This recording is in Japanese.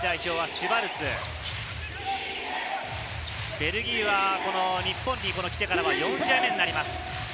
ベルギーは日本に来てからは４試合目になります。